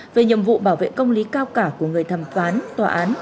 về nhiệm vụ bảo vệ công lý cao cả của người thẩm phán tòa án